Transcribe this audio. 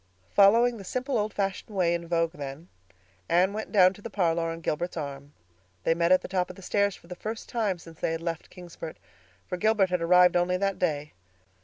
Following the simple, old fashioned way in vogue then, Anne went down to the parlor on Gilbert's arm. They met at the top of the stairs for the first time since they had left Kingsport, for Gilbert had arrived only that day.